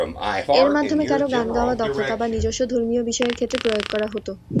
এর মাধ্যমে কারও গান গাওয়া দক্ষতা বা নিজস্ব ধর্মীয় বিষয়ের ক্ষেত্রে প্রয়োগ করা হতো।